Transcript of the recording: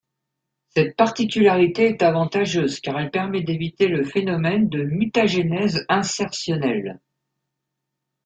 Cette particularité est avantageuse car elle permet d'éviter le phénomène de mutagenèse insertionnelle.